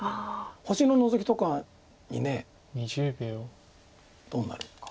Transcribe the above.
星のノゾキとかにどうなるか。